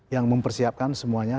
yang mempersiapkan semuanya